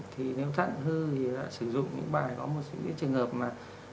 thì nếu thận hư thì lại sử dụng những bài có một số cái trường hợp mà